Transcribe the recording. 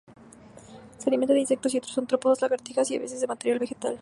Se alimenta de insectos y otros artrópodos, lagartijas y a veces de material vegetal.